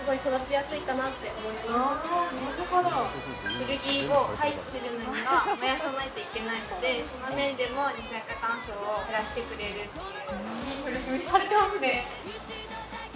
古着を廃棄するには燃やさないといけないので、その面でも二酸化炭素を減らしてくれるっていう。